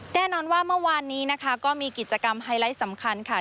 แน่นอนว่าเมื่อวานนี้นะคะก็มีกิจกรรมไฮไลท์สำคัญค่ะ